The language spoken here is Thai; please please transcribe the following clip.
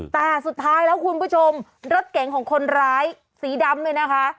แต่สุดท้ายแล้วคุณผู้ชมรถเก๋งของคนร้ายสีดำเนี่ยนะคะ